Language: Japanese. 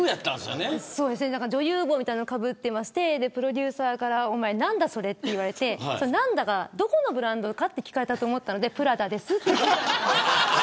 女優帽みたいなのをかぶってましてプロデューサーからおまえ何だそれって言われてどこのブランドかって聞かれたかと思ったのでプラダですって。